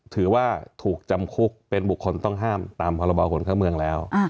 ถือว่าถูกจำคุกเป็นบุคคลต้องห้ามตามพรบคนเข้าเมืองแล้ว